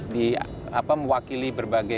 di apa mewakili berbagai